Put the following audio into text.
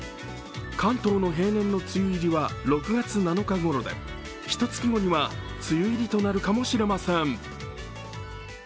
関東の平年の梅雨入りは６月７日ごろでひとつき後には梅雨入りとなるかもしれません。